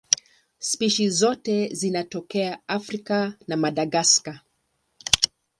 Spishi zote zinatokea Afrika na Madagaska.